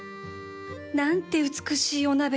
何て美しいお鍋